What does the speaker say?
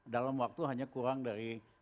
dalam waktu hanya kurang dari